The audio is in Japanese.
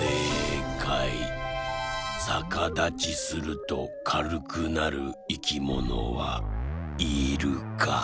さかだちするとかるくなるいきものは「イルカ」。